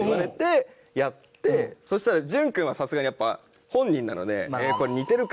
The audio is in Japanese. そしたら潤君はさすがにやっぱ本人なのでこれ似てるか？